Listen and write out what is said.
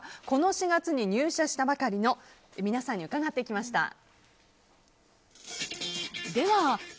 この４月に入社したばかりの皆さんに伺ってきました。